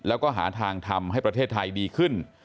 แล้วก็หาทางทำให้ประเทศไทยดีขึ้น